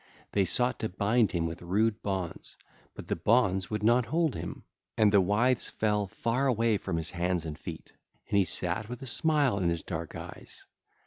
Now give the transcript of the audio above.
They sought to bind him with rude bonds, but the bonds would not hold him, and the withes fell far away from his hands and feet: and he sat with a smile in his dark eyes.